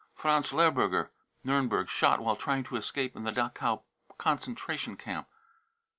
franz lehrb urger, Niirnberg, shot <fi while trying escape in the Dachau concentration camp.